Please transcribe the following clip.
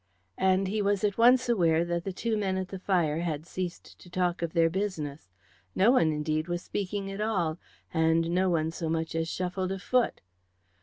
And he was at once aware that the two men at the fire had ceased to talk of their business. No one, indeed, was speaking at all, and no one so much as shuffled a foot.